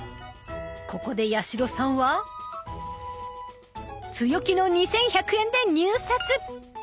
ここで八代さんは強気の２，１００円で入札！